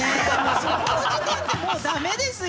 そこの時点でもうダメですよ。